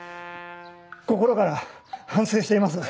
心から反省しています。